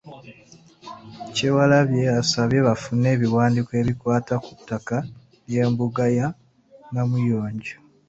Kyewalabye asabye bafune ebiwandiiko ebikwata ku ttaka ly'embuga ya Namuyonjo.